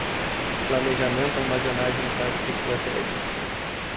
planejamento, armazenagem, tática, estratégia